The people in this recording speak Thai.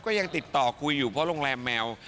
ก็ยังติดต่อคุยอยู่เพราะโรงแรมแมว